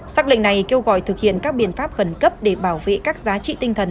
xác lệnh này kêu gọi thực hiện các biện pháp khẩn cấp để bảo vệ các giá trị tinh thần